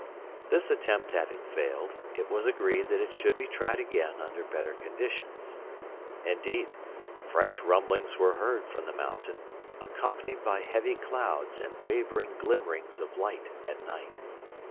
This attempt having failed, it was agreed that it should be tried again under better conditions. Indeed, fresh rumblings were heard from the mountain, accompanied by heavy clouds and wavering glimmerings of light at night.